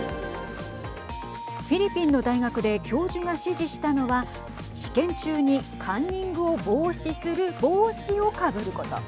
フィリピンの大学で教授が指示したのは試験中にカンニングを防止する帽子をかぶること。